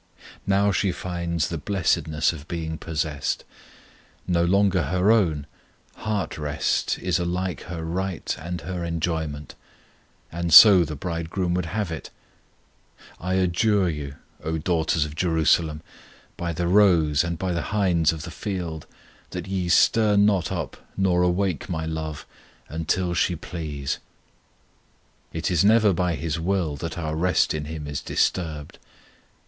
Now she finds the blessedness of being possessed. No longer her own, heart rest is alike her right and her enjoyment; and so the Bridegroom would have it. I adjure you, O daughters of Jerusalem, By the roes, and by the hinds of the field, That ye stir not up nor awake My love, Until she please. It is never by His will that our rest in Him is disturbed.